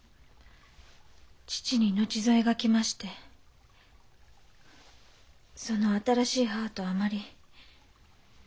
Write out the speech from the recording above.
父に後添いが来ましてその新しい母とあまり。